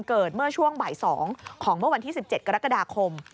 เกิดเมื่อช่วงบ่าย๒ของเมื่อวันที่๑๗กรกฎาคม